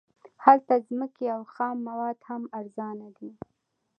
هلته ځمکې او خام مواد هم ارزانه دي